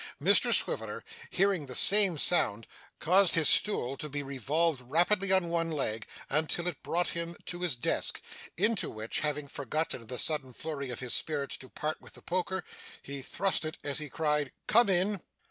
Mr Swiveller, hearing the same sound, caused his stool to revolve rapidly on one leg until it brought him to his desk, into which, having forgotten in the sudden flurry of his spirits to part with the poker, he thrust it as he cried 'Come in!